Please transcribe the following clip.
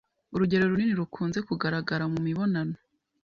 Urugero runini rukunze kugaragara mu mibonano